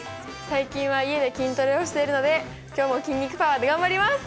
最近は家で筋トレをしているので今日も筋肉パワーで頑張ります！